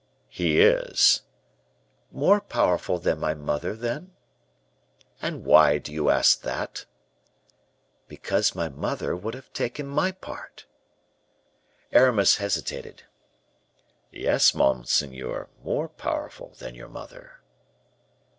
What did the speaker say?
"He is." "More powerful than my mother, then?" "And why do you ask that?" "Because my mother would have taken my part." Aramis hesitated. "Yes, monseigneur; more powerful than your mother."